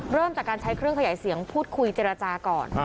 เริ่มจากการใช้เครื่องขยายเสียงพูดคุยเจรจาก่อน